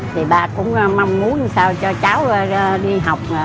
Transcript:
thì bà cũng mong muốn làm sao cho cháu đi học